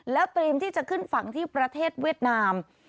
แล้วเตรียมที่จะขึ้นฝั่งที่ประเทศเวียดนาม